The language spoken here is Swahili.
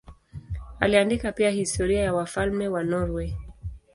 Aliandika pia historia ya wafalme wa Norwei.